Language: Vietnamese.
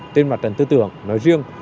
trên mặt trận tư tưởng nói riêng